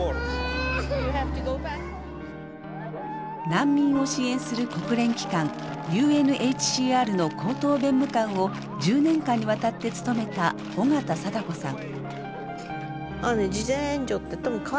難民を支援する国連機関ＵＮＨＣＲの高等弁務官を１０年間にわたって務めた緒方貞子さん。